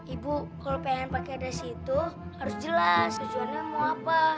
ibu kalau pengen pakai dais itu harus jelas tujuannya mau apa